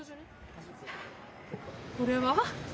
これは？